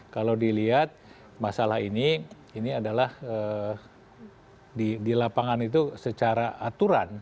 kalau dilihat masalah ini ini adalah di lapangan itu secara aturan